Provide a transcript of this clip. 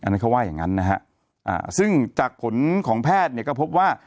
อันนี้เขาว่าอย่างงั้นนะฮะซึ่งจากผลของแพทย์เนี่ยก็พบว่า